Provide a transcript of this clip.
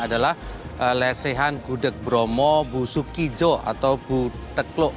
adalah lesehan gudeg bromo busukijo atau budekluk